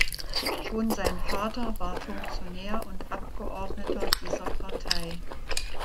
Schon sein Vater war Funktionär und Abgeordneter dieser Partei.